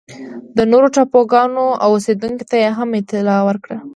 د نورو ټاپوګانو اوسېدونکو ته یې هم اطلاع ورکړه.